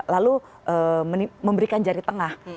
lalu memberikan jari tengah